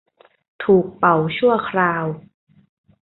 ถูกเป่าชั่วคราว